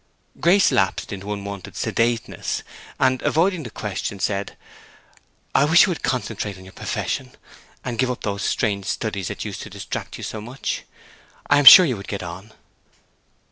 Grace lapsed into unwonted sedateness, and avoiding the question, said, "I wish you would concentrate on your profession, and give up those strange studies that used to distract you so much. I am sure you would get on."